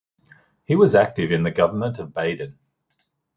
He was active in the government of Baden.